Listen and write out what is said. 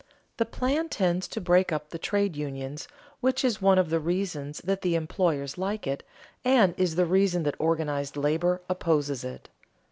The plan tends to break up the trade unions, which is one of the reasons that the employers like it, and is the reason that organized labor opposes it.